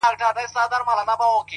پوهه د امکاناتو نړۍ پراخوي’